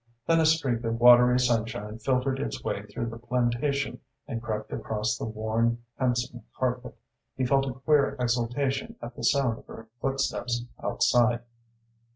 Then a streak of watery sunshine filtered its way through the plantation and crept across the worn, handsome carpet. He felt a queer exultation at the sound of her footsteps outside.